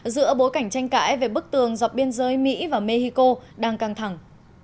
giữa bối cảnh tranh cãi về bức tường dọc biên giới mỹ và mexico đang căng thẳng